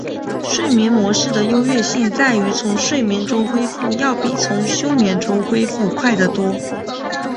睡眠模式的优越性在于从睡眠中恢复要比从休眠中恢复快得多。